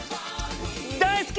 大好き！